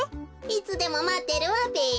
いつでもまってるわべ。